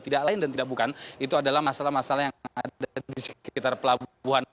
tidak lain dan tidak bukan itu adalah masalah masalah yang ada di sekitar pelabuhan